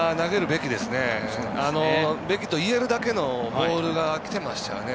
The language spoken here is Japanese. べきと言えるだけのボールがきてましたよね。